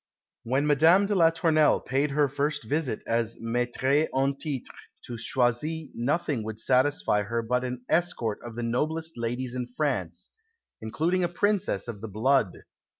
When Madame de la Tournelle paid her first visit as Maîtresse en titre to Choisy, nothing would satisfy her but an escort of the noblest ladies in France, including a Princess of the Blood.